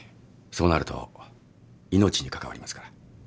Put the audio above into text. そうなると命に関わりますから。